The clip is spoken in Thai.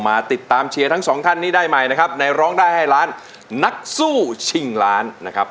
มาติดตามเชียร์ทั้งสองท่านนี้ได้ใหม่นะครับในร้องได้ให้ล้านนักสู้ชิงล้านนะครับ